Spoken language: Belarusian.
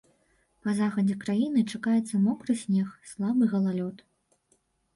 Па захадзе краіны чакаецца мокры снег, слабы галалёд.